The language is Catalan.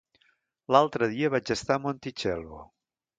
L'altre dia vaig estar a Montitxelvo.